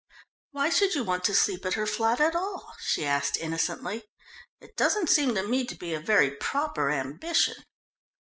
"Why should you want to sleep at her flat at all?" she asked innocently. "It doesn't seem to me to be a very proper ambition."